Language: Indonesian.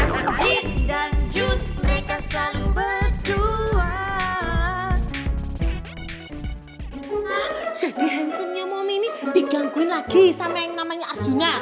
nah jadi handsomenya momi ini digangguin lagi sama yang namanya arjuna